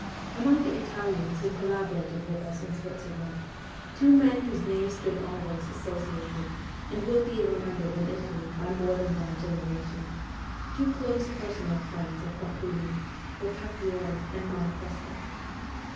Among the Italians who collaborated with us in Switzerland, two men whose names stood always associated, and will be remembered in Italy by more than one generation, two close personal friends of Bakunin, w r ere Cafiero and Malatesta.